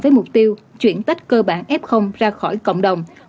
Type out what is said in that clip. với mục tiêu chuyển tách cơ bản f ra khỏi cộng đồng